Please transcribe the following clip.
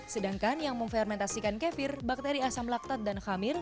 sedangkan yang memfermentasikan kefir bakteri asam laktat dan hamir